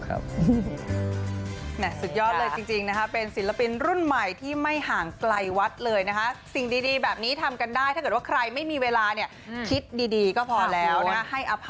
อันโภษณาพุทธองด้วยครับสาธุครับ